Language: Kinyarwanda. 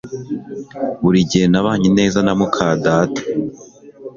Buri gihe nabanye neza na muka data